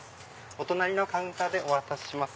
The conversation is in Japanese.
お隣のカウンターでお渡しします